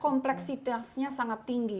kompleksitasnya sangat tinggi